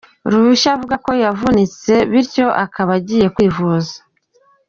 uruhushya avuga ko yavunitse bityo akaba agiye kwivuza.